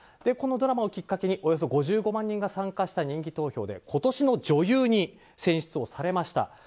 このドラマをきっかけにおよそ５５万人が参加した人気投票で今年の女優に選出されました。